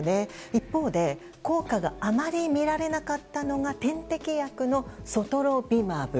一方で効果があまり見られなかったのが点滴薬のソトロビマブ。